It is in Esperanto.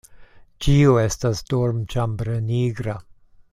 Ĉio estas dormĉambre nigra.